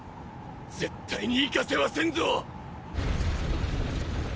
絶対に行かせはせんぞ！！